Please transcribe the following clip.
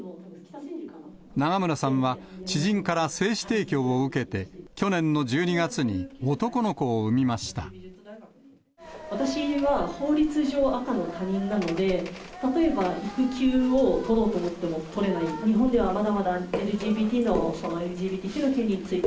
長村さんは、知人から精子提供を受けて、去年の１２月に男の子を産みまし私は法律上、赤の他人なので、例えば育休を取ろうと思っても取れない。